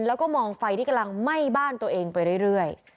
แล้วก็มองไฟที่กำลังไหม้บ้านตัวเองไปเรื่อย